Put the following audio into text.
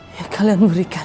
yang kalian berikan